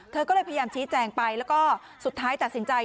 เธอก็เลยพยายามชี้แจงไปแล้วก็สุดท้ายตัดสินใจ